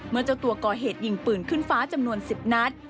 เจ้าตัวก่อเหตุยิงปืนขึ้นฟ้าจำนวน๑๐นัด